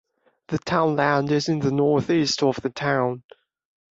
The townland is in the northeast of the town.